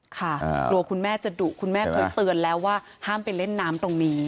กลัวคุณแม่จะดุคุณแม่เคยเตือนแล้วว่าห้ามไปเล่นน้ำตรงนี้